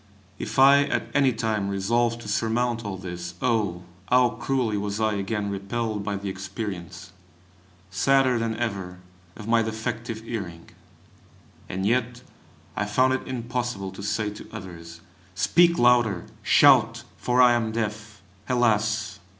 If I at any time resolved to surmount all this, oh! how cruelly was I again repelled by the experience, sadder than ever, of my defective hearing! and yet I found it impossible to say to others: Speak louder; shout! for I am deaf! Alas!